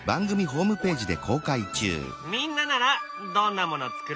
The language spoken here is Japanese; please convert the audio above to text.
みんなならどんなもの作る？